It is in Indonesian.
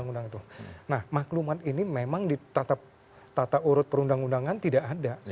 nah maklumat ini memang di tata urut perundang undangan tidak ada